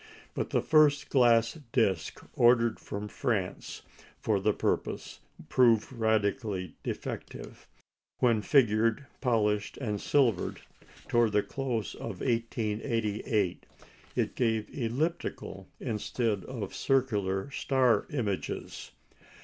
But the first glass disc ordered from France for the purpose proved radically defective. When figured, polished, and silvered, towards the close of 1888, it gave elliptical instead of circular star images.